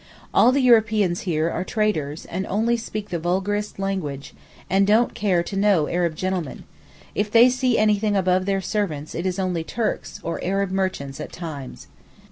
All the Europeans here are traders, and only speak the vulgarest language, and don't care to know Arab gentlemen; if they see anything above their servants it is only Turks, or Arab merchants at times.